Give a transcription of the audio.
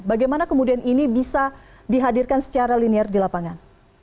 bagaimana kemudian ini bisa dihadirkan secara linear di lapangan